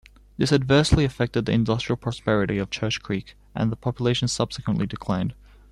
This adversely affected the industrial prosperity of Church Creek, and the population subsequently declined.